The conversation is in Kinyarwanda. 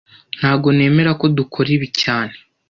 Ntago nemera ko dukora ibi cyane